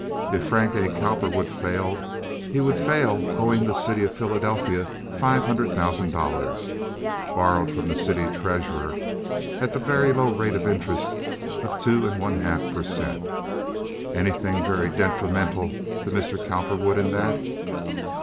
If Frank A. Cowperwood failed, he would fail owing the city of Philadelphia five hundred thousand dollars, borrowed from the city treasurer at the very low rate of interest of two and one half per cent. Anything very detrimental to Mr. Cowperwood in that?